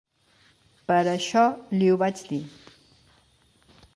Per això li ho vaig dir.